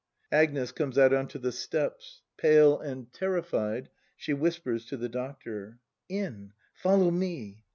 Agnes. [Comes out on to the steps: pale and terrified, she whispers to the Doctor.] In! Follow me!